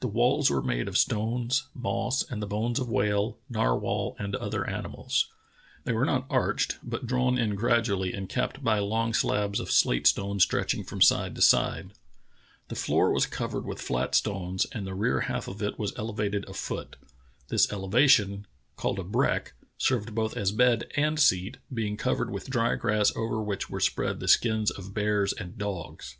The walls were made of stones, moss, and of the bones of whale, nar whal, and other animals. They were not arched, but drawn in gradually and capped by long slabs of slate stone stretching from side to side. The floor was The Angekok Kalutunah 125 covered with flat stones, and the rear half of it was ele vated a foot. This elevation, called a breck, served both as bed and seat, being covered with dry grass over which were spread the skins of bears and dogs.